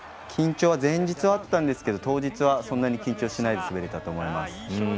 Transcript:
緊張は前日はあったんですが当日はそんなに緊張しないで滑れたと思います。